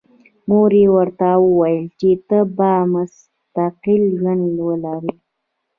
مور یې ورته وویل چې ته به مستقل ژوند ولرې